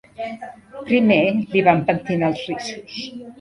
Primer li van pentinar els rissos